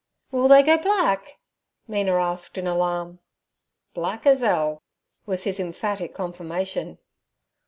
'Will they go black?' Mina asked in alarm. 'Black as 'ell' was his emphatic confirmation.